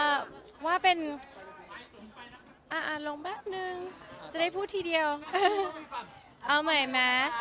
ว่าเป็นอ่าลงแป๊บนึงจะได้พูดทีเดียวเอาใหม่ไหม